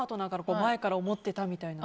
前から思っていたみたいな。